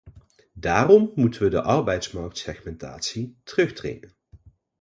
Daarom moeten we de arbeidsmarktsegmentatie terugdringen.